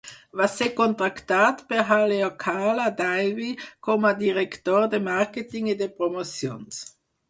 Va ser contractat per Haleakala Dairy com a director de màrqueting i de promocions.